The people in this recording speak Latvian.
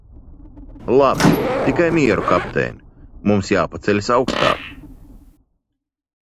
Labi, tikai mieru Kaptein, mums jāpaceļas augstāk!